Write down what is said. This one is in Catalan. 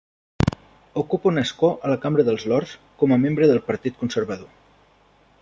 Ocupa un escó a la Cambra dels lords com a membre del Partit Conservador.